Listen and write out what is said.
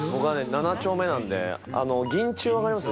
７丁目なんで銀中分かります？